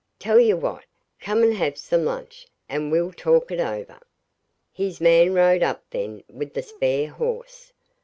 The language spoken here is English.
Tell you what; come and have some lunch, and we'll talk it over.' His man rode up then with the spare horse.